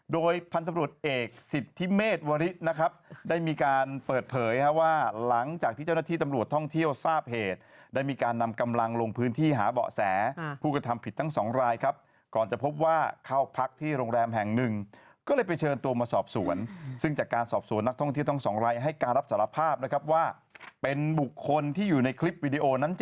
โดยพันธุ์ตำรวจเอกสิทธิเมฆวรินะครับได้มีการเปิดเผยว่าหลังจากที่เจ้าหน้าที่ตำรวจท่องเที่ยวทราบเหตุได้มีการนำกำลังลงพื้นที่หาเบาะแสผู้กระทำผิดทั้งสองรายครับก่อนจะพบว่าเข้าพักที่โรงแรมแห่งหนึ่งก็เลยไปเชิญตัวมาสอบสวนซึ่งจากการสอบสวนนักท่องเที่ยวท่องสองรายให้การรับส